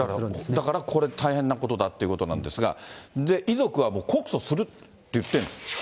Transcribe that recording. だからこれ、大変なことだということなんですが、遺族はもう告訴するって言ってんです。